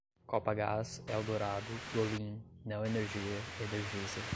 Copagaz, Eldorado, Golin, Neoenergia, Energisa